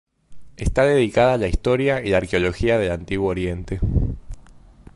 Está dedicada a la historia y la arqueología del antiguo Oriente.